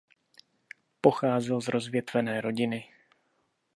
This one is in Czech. Pocházel z rozvětvené rodiny.